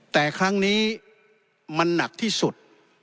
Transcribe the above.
แต่ครั้งนี้มันหนักที่สุด